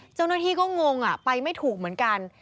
เจ้าหน้าที่ก็งงไปไม่ถูกเหมือนกัน